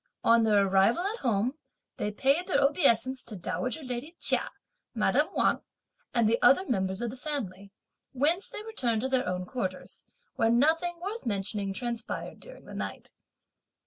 On their arrival at home, they paid their obeisance to dowager lady Chia, madame Wang and the other members of the family, whence they returned to their own quarters, where nothing worth mentioning transpired during the night.